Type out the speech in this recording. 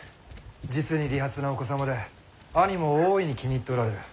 実に利発なお子様で兄も大いに気に入っておられる。